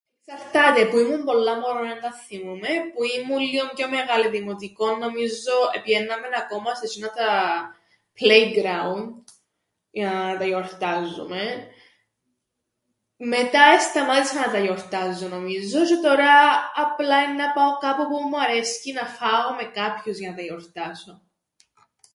Εξαρτάται, που ήμουν πολλά μωρόν εν αθθυμούμαι, που ήμουν λλίον πιο μεγάλη, δημοτικόν νομίζω επηαίνναμεν ακόμα σε τζ̆είνα τα playground, για να τα γιορτάζουμεν. Μετά εσταμάτησα να τα γιορτάζω νομίζω τζ̆αι τωρά απλά εννά πάω κάπου που μου αρέσκει να φάω με κάποιους για να τα γιορτάσω.